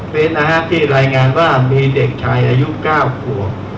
เวทที่รายงานว่ามีเด็กชายอายุ๙ครัว